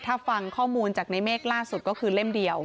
ถ้าฟังข้อมูลจากในเมฆล่าสุดก็คือเล่มเดียว